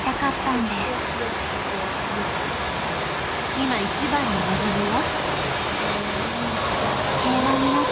今、一番の望みは？